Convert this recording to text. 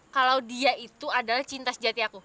kalau dia itu adalah cinta sejati aku